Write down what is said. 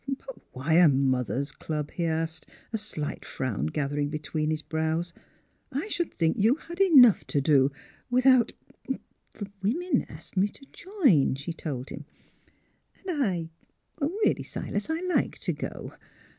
" But why a Mothers' Club? " he asked, a slight frown gathering between his brows. " I should think you had enough to do without "" The women asked me to join," she told him, '' and I Really, Silas, I like to go.